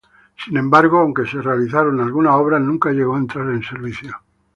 Sin embargo, aunque se realizaron algunas obras, nunca llegó a entrar en servicio.